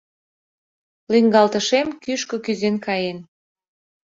Лӱҥгалтышем кӱшкӧ кӱзен каен!